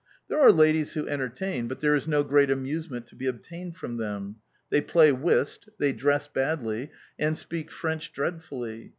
There are ladies who entertain, but there is no great amusement to be obtained from them. They play whist, they dress badly and speak French dreadfully!